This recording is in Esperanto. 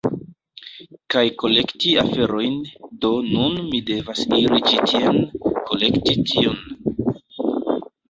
kaj kolekti aferojn, do nun mi devas iri ĉi tien, kolekti tiun…